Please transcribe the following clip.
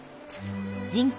人口